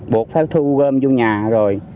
buộc phép thu gom vô nhà rồi